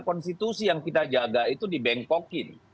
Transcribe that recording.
konstitusi yang kita jaga itu dibengkokin